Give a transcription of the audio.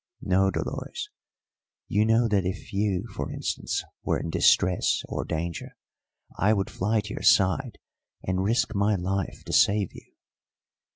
"No, Dolores; you know that if you, for instance, were in distress or danger I would fly to your side and risk my life to save you."